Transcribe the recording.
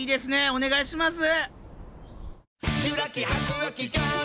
お願いします。